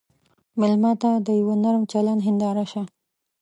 مېلمه ته د یوه نرم چلند هنداره شه.